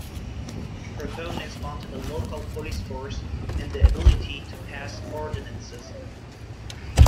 Proponents wanted a local police force and the ability to pass ordinances.